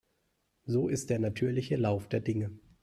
So ist der natürliche Lauf der Dinge.